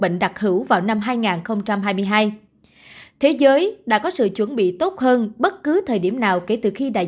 bệnh đặc hữu vào năm hai nghìn hai mươi hai thế giới đã có sự chuẩn bị tốt hơn bất cứ thời điểm nào kể từ khi đại